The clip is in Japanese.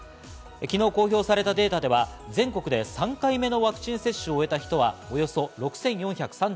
昨日公表されたデータでは全国で３回目のワクチン接種を終えた人はおよそ６４３９万人。